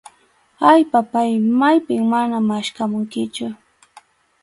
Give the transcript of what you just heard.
Ay, papáy, maypim mana maskhamuykichu.